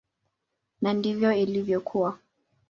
Na ndivyo ilivyokuwa.